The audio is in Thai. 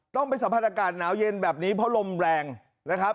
ต้องไปสัมผัสอากาศหนาวเย็นแบบนี้เพราะลมแรงนะครับ